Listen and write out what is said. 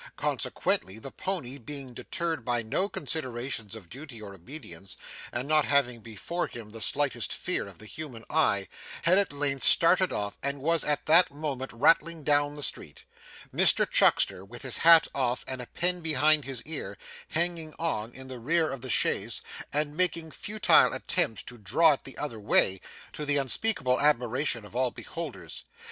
Consequently, the pony being deterred by no considerations of duty or obedience, and not having before him the slightest fear of the human eye, had at length started off, and was at that moment rattling down the street Mr Chuckster, with his hat off and a pen behind his ear, hanging on in the rear of the chaise and making futile attempts to draw it the other way, to the unspeakable admiration of all beholders.